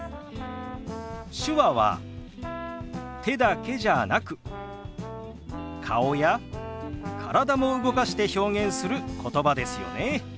手話は手だけじゃなく顔や体も動かして表現することばですよね。